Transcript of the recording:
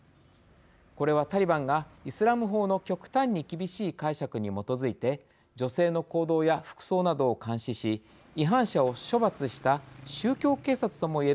これはタリバンがイスラム法の極端に厳しい解釈に基づいて女性の行動や服装などを監視し違反者を処罰した宗教警察ともいえる存在です。